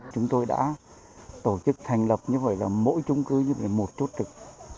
chúng tôi đã tổ chức thành lập như vậy là mỗi trung cư như một chốt trực